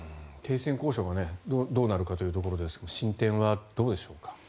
停戦交渉がどうなるかというところですが進展はどうでしょうか。